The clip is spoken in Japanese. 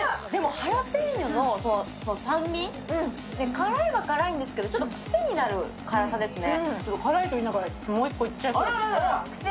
ハラペーニョの酸味辛いは辛いんですけど、ちょっとクセになる辛さですね。